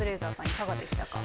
いかがでしたか？